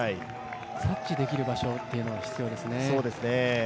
察知できる場所というのは必要ですね。